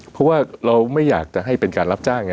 เพราะว่าเราไม่อยากจะให้เป็นการรับจ้างไง